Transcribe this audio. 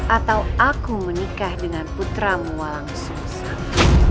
atau aku menikah dengan putramu walang sungsang